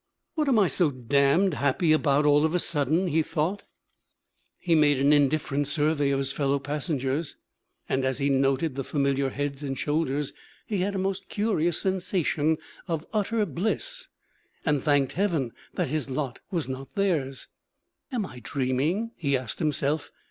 'What am I so damned happy about, all of a sudden?' he thought. He made an indifferent survey of his fellow passengers, and as he noted the familiar heads and shoulders, he had a most curious sensation of utter bliss, and thanked heaven that his lot was not theirs. 'Am I dreaming?' he asked himself.